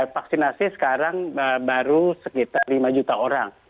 vaksinasi sekarang baru sekitar lima juta orang